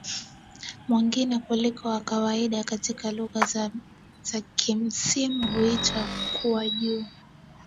mwingine kuliko wa kawaida Katika lugha za kimsimu huitwa kuwa juu